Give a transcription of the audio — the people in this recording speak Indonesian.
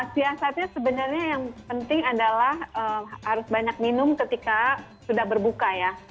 siasatnya sebenarnya yang penting adalah harus banyak minum ketika sudah berbuka ya